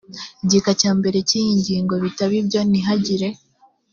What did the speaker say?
gika cya mbere cy iyi ngingo bitaba ibyo ntihagire